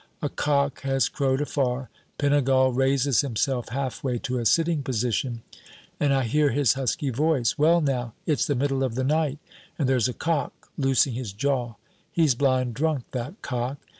A cock has crowed afar. Pinegal raises himself halfway to a sitting position, and I hear his husky voice: "Well now, it's the middle of the night, and there's a cock loosing his jaw. He's blind drunk, that cock."